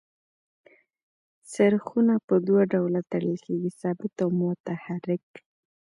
څرخونه په دوه ډوله تړل کیږي ثابت او متحرک.